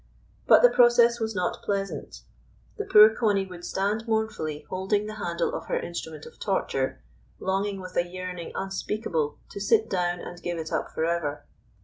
But the process was not pleasant. The poor Coney would stand mournfully holding the handle of her instrument of torture, longing with a yearning unspeakable to sit down and give it up for ever.